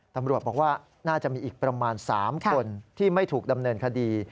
ตำรวจบอกว่าน่าจะมีอีกประมาณ๓คนที่ไม่ถูกดำเนินคดี